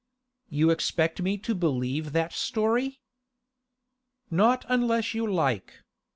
'You expect me to believe that story?' 'Not unless you like.